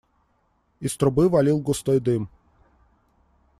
Из трубы валил густой дым.